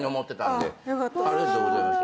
ありがとうございます。